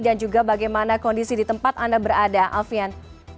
dan juga bagaimana kondisi di tempat anda berada alfian